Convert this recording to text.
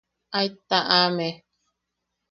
Aet taʼame.